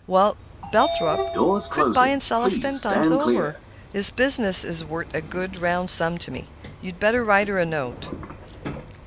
Why, Belthrop could buy and sell us ten times over. His business is worth a good, round sum to me. You'd better write her a note.